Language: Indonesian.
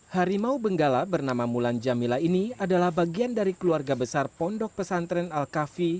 harimau benggala bernama mulan jamila ini adalah bagian dari keluarga besar pondok pesantren al kafi